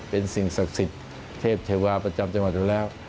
เป็นสิ่งศักดิ์สิทธิ์เทพเทวาประจำจังหวัดอยู่แล้ว